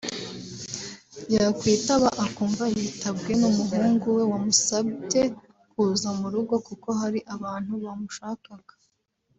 yakwitaba akumva yitabwe n’umuhungu we wamusabye kuza mu rugo kuko hari abantu bamushakaga